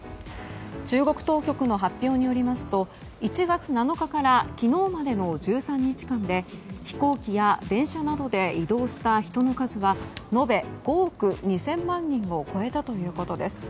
中国当局の発表によりますと１月７日から昨日までの１３日間飛行機や電車などで移動した人の数は延べ５億２０００万人を超えたということです。